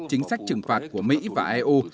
chính sách trừng phạt của mỹ và eu